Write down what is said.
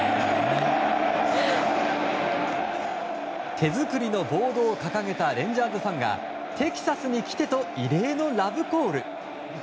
手作りのボードを掲げたレンジャーズファンが「テキサスに来て」と異例のラブコール。